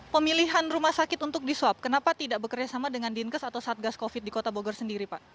pemilihan rumah sakit untuk di swab kenapa tidak bekerjasama dengan dinkes atau satgas covid di kota bogor sendiri pak